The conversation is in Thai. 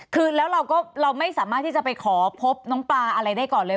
คือแล้วเราก็เราไม่สามารถที่จะไปขอพบน้องปลาอะไรได้ก่อนเลย